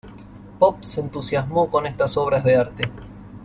Popp se entusiasmó con estas obras de arte.